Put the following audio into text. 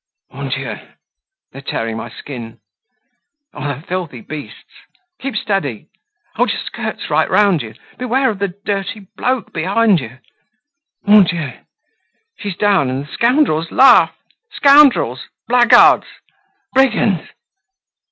"Mon Dieu! they're tearing my skin!—Oh! the filthy beasts!—Keep steady! Hold your skirts right round you! beware of the dirty bloke behind you!—Mon Dieu! she's down and the scoundrels laugh!—Scoundrels! Blackguards! Brigands!"